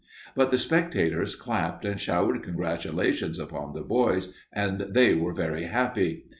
But the spectators clapped and showered congratulations upon the boys, and they were very happy.